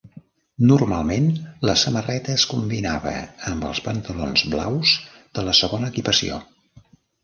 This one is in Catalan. Normalment la samarreta es combinava amb els pantalons blaus de la segona equipació.